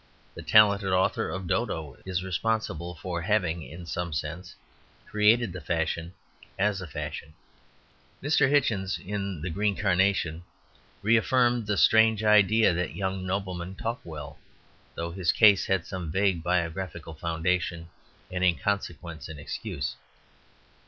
The talented author of "Dodo" is responsible for having in some sense created the fashion as a fashion. Mr. Hichens, in the "Green Carnation," reaffirmed the strange idea that young noblemen talk well; though his case had some vague biographical foundation, and in consequence an excuse.